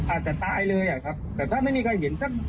อาจจะตายเลยอ่ะครับแต่ถ้าไม่มีใครเห็นสัก